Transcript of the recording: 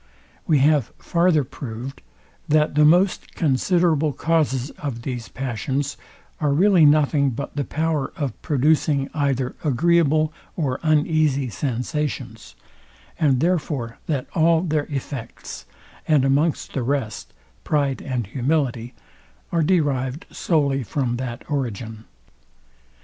We have farther proved, that the most considerable causes of these passions are really nothing but the power of producing either agreeable or uneasy sensations; and therefore that all their effects, and amongst the rest, pride and humility, are derived solely from that origin.